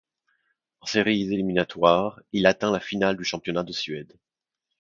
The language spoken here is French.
En séries éliminatoires, il atteint la finale du Championnat de Suède.